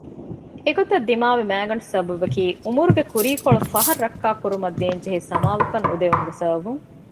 އެގޮތަށް ދިމާވި މައިގަނޑު ސަބަބަކީ ޢުމުރުގެ ކުރީ ކޮޅު ފަހަށް ރައްކާކުރުމަށް ދޭންޖެހޭ ސަމާލުކަން ނުދެވުމުގެ ސަބަބުން